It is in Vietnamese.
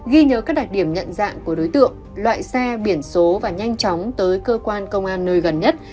ghi nhớ các đặc điểm nhận dạng của đối tượng loại xe biển số và nhanh chóng tới cơ quan công an nơi gần nhất